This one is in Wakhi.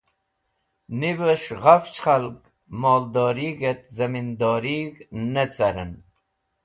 Nivẽs̃h ghafch khalg moldorig̃hẽt zẽmindorig̃h ne carẽn